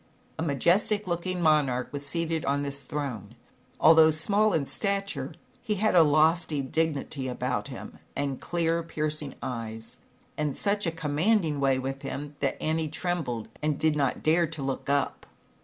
A majestic looking monarch was seated on this throne. Although small in stature, he had a lofty dignity about him, and clear, piercing eyes, and such a commanding way with him, that Annie trembled and did not dare to look up.